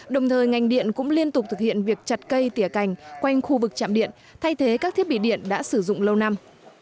đồng thời ngành điện cũng liên tục thực hiện việc chặt cây tỉa cành quanh khu vực chạm điện thay thế các thiết bị điện đã sử dụng lâu năm